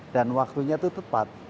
dan waktunya itu tepat